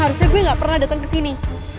harusnya gue gak pernah dateng kesini